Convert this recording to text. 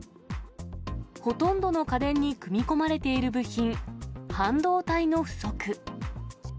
ほとんどの家電に組み込まれている部品、半導体の不足。